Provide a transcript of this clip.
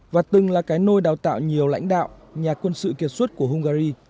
và từng là cái nôi đào tạo nhiều lãnh đạo nhà quân sự kiệt xuất của hungary